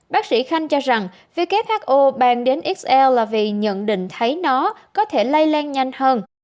bác sĩ khanh cho rằng who mang đến xl là vì nhận định thấy nó có thể lây lan nhanh hơn